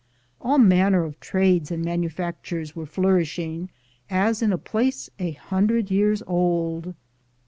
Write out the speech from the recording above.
All manner of trades and manufactures were flourishing as in a place a hundred years old.